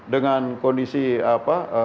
dengan kondisi apa